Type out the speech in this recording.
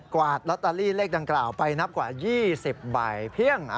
วาดลอตเตอรี่เลขดังกล่าวไปนับกว่า๒๐ใบเพียง